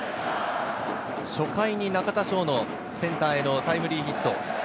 初回に中田翔のセンターへのタイムリーヒット。